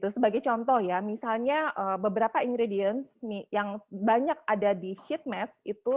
sebagai contoh misalnya beberapa ingredients yang banyak ada di sheet mask